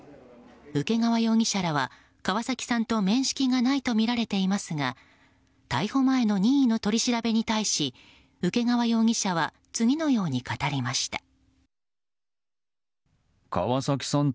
請川容疑者らは川崎さんと面識がないとみられていますが逮捕前の任意の取り調べに対し請川容疑者は次のように語りました。